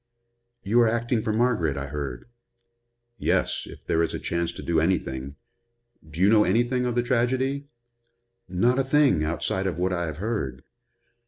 "You are acting for Margaret, I heard." "Yes if there is a chance to do anything. Do you know anything of the tragedy?" "Not a thing, outside of what I have heard.